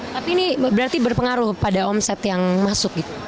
tapi ini berarti berpengaruh pada omset yang masuk gitu